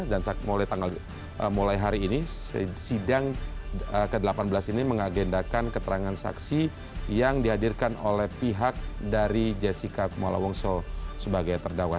dan mulai hari ini sidang ke delapan belas ini mengagendakan keterangan saksi yang dihadirkan oleh pihak dari jessica kumala wongso sebagai terdakwa